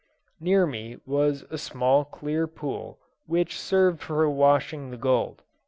Near me was a small clear pool, which served for washing the gold.